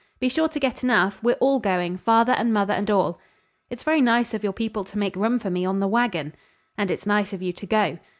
"Be sure to get enough. We're all going, father and mother and all." "It's very nice of your people to make room for me on the wagon." "And it's nice of you to go."